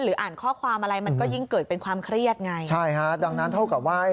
อ่านข้อความอะไรมันก็ยิ่งเกิดเป็นความเครียดไงใช่ฮะดังนั้นเท่ากับว่า